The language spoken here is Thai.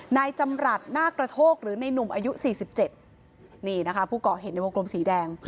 นายจำรัดนาครโทกหรือในหนุ่มอายุสี่สิบเจ็ดนี่นะคะผู้ก่อเหตุในวงกลมสีแดง